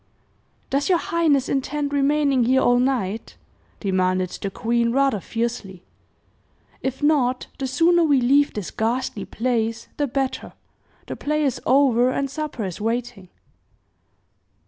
"Does your highness intend remaining here all night?" demanded the queen, rather fiercely. "If not, the sooner we leave this ghastly place the better. The play is over, and supper is waiting."